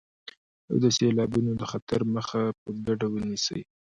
او د سيلابونو د خطر مخه په ګډه ونيسئ.